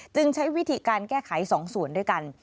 ใช้วิธีการแก้ไข๒ส่วนด้วยกัน